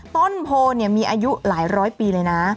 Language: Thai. ต้นโพมีอายุหลายร้อยปีเลยนะ